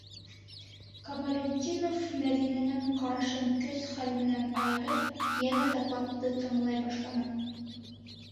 Камалетдинов, Мәҙинәнән ҡарашын көс-хәл менән айырып, йәнә докладты тыңлай башланы.